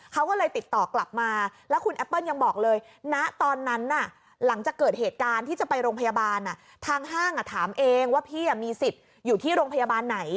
ห้างอ่ะถามเองว่าพี่อ่ะมีสิทธิ์อยู่ที่โรงพยาบาลไหน